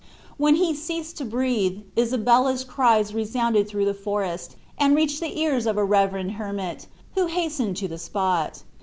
When he ceased to breathe, Isabella's cries resounded through the forest, and reached the ears of a reverend hermit, who hastened to the spot.